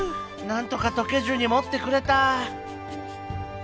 なんとかとけずにもってくれた！